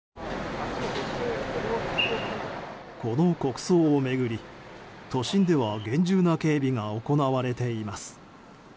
この国葬を巡り、都心では厳重な警備が行われています。